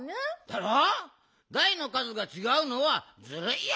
だいのかずがちがうのはずるいよ。